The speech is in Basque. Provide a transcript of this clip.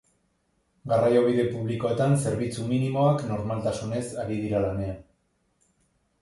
Garraio-bide publikoetan zerbitzu minimoak normaltasunez ari dira lanean.